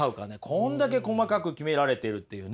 こんだけ細かく決められているっていうね。